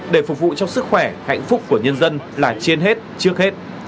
để phục vụ cho sức khỏe hạnh phúc của nhân dân là trên hết trước hết